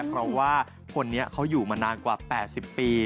เพราะว่าคนนี้เขาอยู่มานานกว่า๘๐ปี